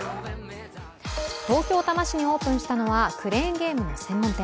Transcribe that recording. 東京・多摩市にオープンしたのはクレーンゲームの専門店。